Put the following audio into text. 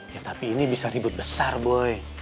ya tapi ini bisa ribut besar boleh